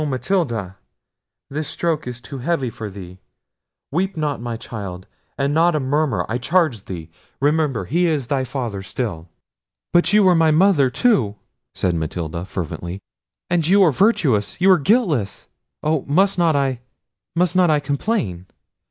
Matilda, this stroke is too heavy for thee! weep not, my child; and not a murmur, I charge thee. Remember, he is thy father still!" "But you are my mother too," said Matilda fervently; "and you are virtuous, you are guiltless!—Oh! must not I, must not I complain?"